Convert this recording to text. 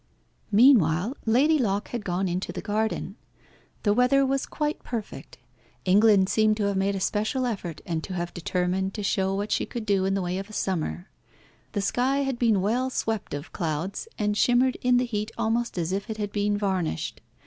Meanwhile Lady Locke had gone into the garden. The weather was quite perfect. England seemed to have made a special effort, and to have determined to show what she could do in the way of a summer. The sky had been well swept of clouds, and shimmered in the heat almost as if it had been varnished.